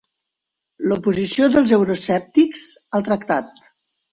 L'oposició dels euroescèptics al tractat.